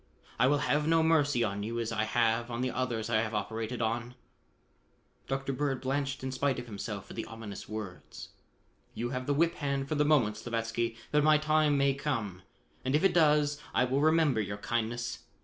I will have no mercy on you as I have on the others I have operated on." Dr. Bird blanched in spite of himself at the ominous words. "You have the whip hand for the moment, Slavatsky, but my time may come and if it does, I will remember your kindness.